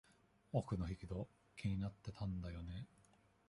奥の引き戸、気になってたんだよね。